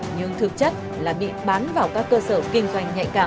nhưng thực chất là bị bán vào các cơ sở kinh doanh nhạy cảm